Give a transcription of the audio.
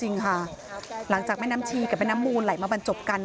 จริงค่ะหลังจากแม่น้ำชีกับแม่น้ำมูลไหลมาบรรจบกัน